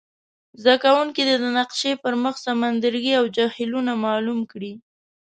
زده کوونکي دې د نقشي پر مخ سمندرګي او جهیلونه معلوم کړي.